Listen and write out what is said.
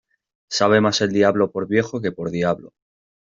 Sabe mas el diablo por viejo, que por diablo.